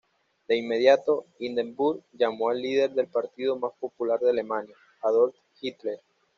De inmediato, Hindenburg llamó al líder del partido más popular de Alemania, Adolf Hitler.